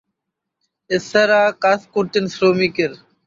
এছাড়া কাজ করতেন শ্রমিকের।